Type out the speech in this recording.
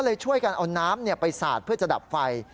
ช่วยกันเอาน้ำไปสาดเพื่อจะดับไฟ